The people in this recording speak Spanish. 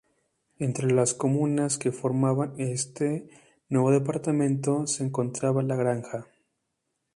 Entre las comunas que formaban este nuevo departamento se encontraba La Granja.